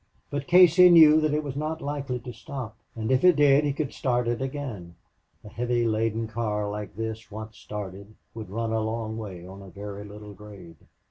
But Casey knew that it was not likely to stop, and if it did he could start it again. A heavy laden car like this, once started, would run a long way on a very little grade.